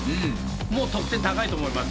もう得点高いと思いますよ